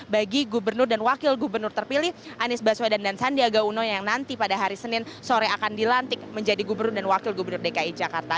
bagi gubernur dan wakil gubernur terpilih anies baswedan dan sandiaga uno yang nanti pada hari senin sore akan dilantik menjadi gubernur dan wakil gubernur dki jakarta